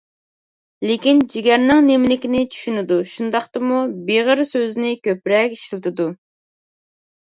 لېكىن :جىگەرنىڭ نېمىلىكىنى چۈشىنىدۇ، شۇنداقتىمۇ «بېغىر» سۆزىنى كۆپرەك ئىشلىتىدۇ.